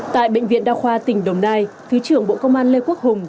tại bệnh viện đa khoa tỉnh đồng nai thứ trưởng bộ công an lê quốc hùng